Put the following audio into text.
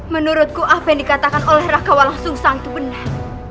menurutku apa yang dikatakan oleh raka walangsung sangat benar